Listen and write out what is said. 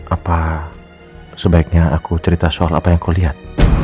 apa sebaiknya aku cerita soal apa yang kau lihat